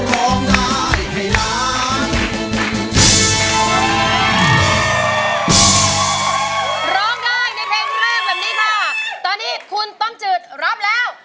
ตอนนี้คุณต้มเจ็ดรับแล้ว๕๐๐๐บาทครับ